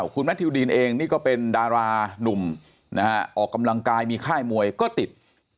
คุณแมททิวดีนเองนี่ก็เป็นดารานุ่มนะฮะออกกำลังกายมีค่ายมวยก็ติด